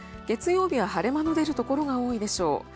月曜日は晴れ間の出るところが多いでしょう。